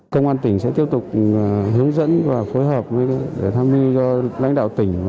công an tỉnh sẽ tiếp tục hướng dẫn và phối hợp với các đại gia đình do lãnh đạo tỉnh